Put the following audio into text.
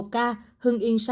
một ca hương yên